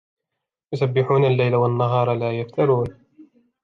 يسبحون الليل والنهار لا يفترون